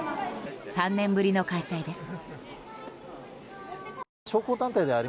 ３年ぶりの開催です。